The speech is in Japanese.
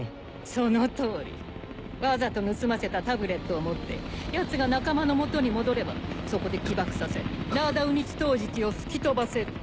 その通り。わざと盗ませたタブレットを持ってヤツが仲間の元に戻ればそこで起爆させナーダ・ウニチトージティを吹き飛ばせる。